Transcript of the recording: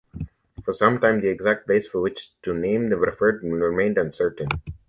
For some time, the exact place to which the name referred remained uncertain.